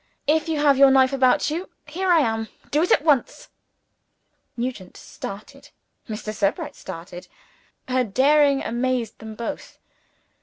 "If you have your knife about you, here am I do it at once!" Nugent started. Mr. Sebright started. Her daring amazed them both.